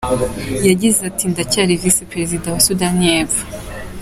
Yagize ati “ Ndacyari Visi Perezida wa Sudani y’Epfo.